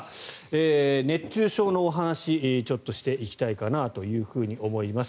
熱中症のお話ちょっとしていきたいかなと思います。